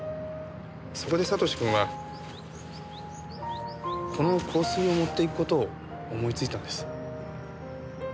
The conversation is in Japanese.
そこで悟志君はこの香水を持って行く事を思いついたんです。